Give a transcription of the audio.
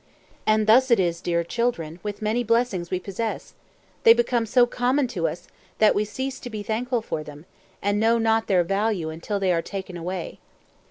And thus it is, dear children, with many blessings we possess; they become so common to us, that we cease to be thankful for them, and know not their value until they are taken away.